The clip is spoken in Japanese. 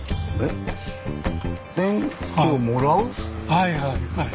はいはいはい。